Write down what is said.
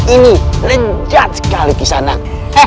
ini lejat sekali kisanak